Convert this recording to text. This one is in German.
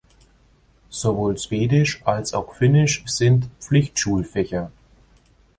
Sowohl Schwedisch als auch Finnisch sind Pflichtschulfächer.